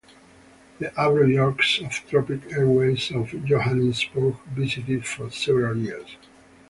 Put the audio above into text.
The Avro Yorks of Tropic Airways of Johannesburg visited for several years.